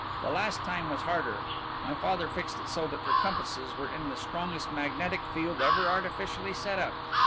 The last time was harder. My father fixed it so that their compasses were in the strongest magnetic field ever artificially set up.